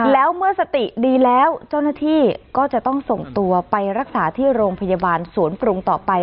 แล้วเมื่อสติดีแล้วเจ้าหน้าที่ก็จะต้องส่งตัวไปรักษาที่โรงพยาบาลสวนปรุงต่อไป